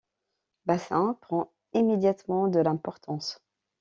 Bassein prend immédiatement de l’importance.